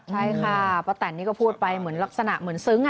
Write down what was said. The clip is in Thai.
ใช่ค่ะป้าแตนนี่ก็พูดไปเหมือนลักษณะเหมือนซึ้ง